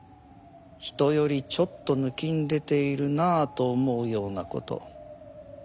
人よりちょっと抜きん出ているなと思うような事ないかね？